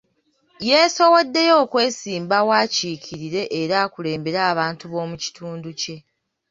Yeesowoddeyo okwesimbawo, akiikirire era akulembere abantu b'omu kitundu kye.